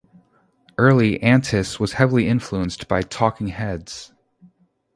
Early "Antis" was heavily influenced by "Talking Heads".